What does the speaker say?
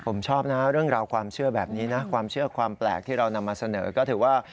ผมชอบนะเรื่องราวความเชื่อแบบนี้นะความเชื่อความแปลกที่เรานำมาเสนอก็ถือว่า